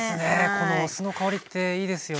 このお酢の香りっていいですよね。